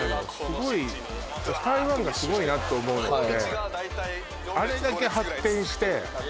私台湾がすごいなって思うのがね